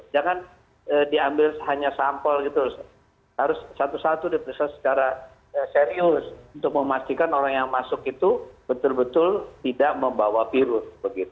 jangan diambil hanya sampel gitu harus satu satu diperiksa secara serius untuk memastikan orang yang masuk itu betul betul tidak membawa virus